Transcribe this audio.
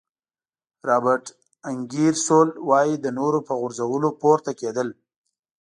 رابرټ انګیرسول وایي د نورو په غورځولو پورته کېدل.